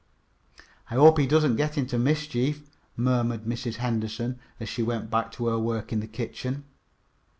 "I hope he doesn't get into mischief," murmured Mrs. Henderson, as she went back to her work in the kitchen.